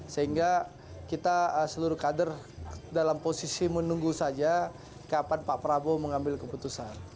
sehingga kita seluruh kader dalam posisi menunggu saja kapan pak prabowo mengambil keputusan